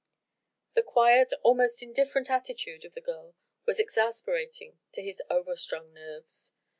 The quiet, almost indifferent attitude of the girl was exasperating to his over strung nerves.